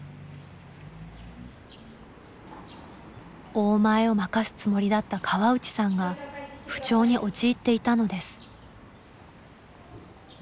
「大前」を任すつもりだった河内さんが不調に陥っていたのです。